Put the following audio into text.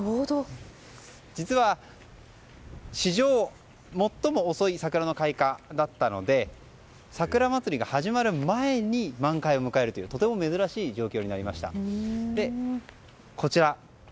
実は、史上最も遅い桜の開花だったのでさくらまつりが始まる前に満開を迎えるというとても珍しい状況になりました。